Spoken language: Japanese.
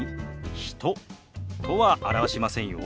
「人」とは表しませんよ。